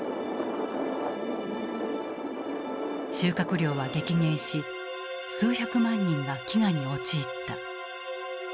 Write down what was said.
収穫量は激減し数百万人が飢餓に陥った。